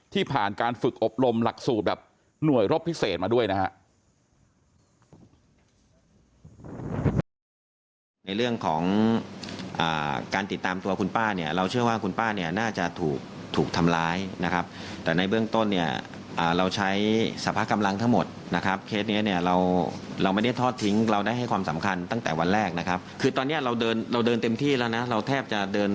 ผ่านการฝึกอบรมหลักสูตรแบบหน่วยรบพิเศษมาด้วยนะฮะ